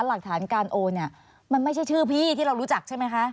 หลักฐานการโอนเนี่ยมันไม่ใช่ชื่อพี่ที่เรารู้จักใช่ไหมคะ